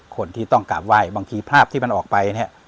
คนที่ต้องกราบไหว้บางทีภาพที่มันออกไปเนี่ย